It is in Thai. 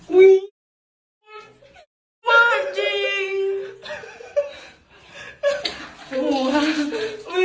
มึงกันจงนี้